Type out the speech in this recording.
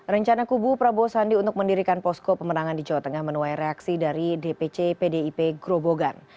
rencana kubu prabowo sandi untuk mendirikan posko pemenangan di jawa tengah menuai reaksi dari dpc pdip grobogan